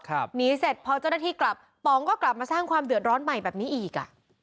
หนีเสร็จพอเจ้าหน้าที่กลับป๋องก็กลับมาสร้างความเดือดร้อนใหม่แบบนี้อีกอ่ะ